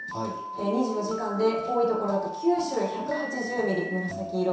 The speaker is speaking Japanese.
２４時間で多いところで九州、１８０ミリで紫色。